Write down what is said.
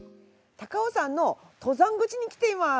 高尾山の登山口に来ています。